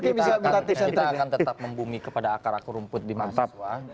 kita akan tetap membumi kepada akar akar rumput di mahasiswa